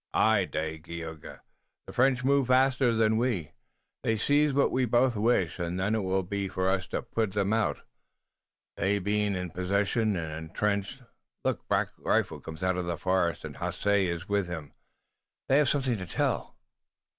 "Aye, Dagaeoga. The French move faster than we. They seize what we both wish, and then it will be for us to put them out, they being in possession and intrenched. Look, Black Rifle comes out of the forest! And Haace is with him! They have something to tell!"